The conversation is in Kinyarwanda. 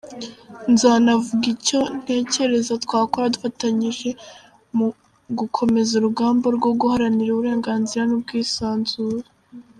Nzanavuga icyo ntekereza twakora dufatanyije mu gukomeza urugamba rwo guharanira uburenganzira n’ubwisanzure.